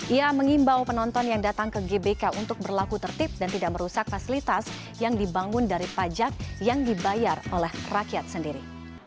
ia mengimbau penonton yang datang ke gbk untuk berlaku tertib dan tidak merusak fasilitas yang dibangun dari pajak yang dibayar oleh rakyat sendiri